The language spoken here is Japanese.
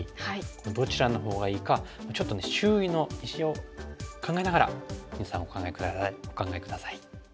どちらのほうがいいかちょっと周囲の石を考えながら皆さんお考え下さい。